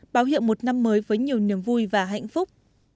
báo hiệu một năm mới với nhiều niềm vui và hạnh phúc